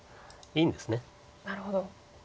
なるほど。